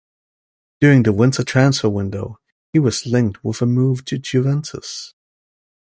During the winter transfer window, he was linked with a move to Juventus.